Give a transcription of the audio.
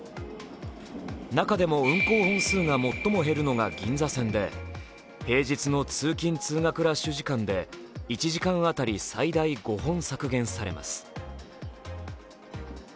中でも運行本数が最も減るのが銀座線で平日の通勤・通学ラッシュ時間で１時間あたり最大５本削減されます。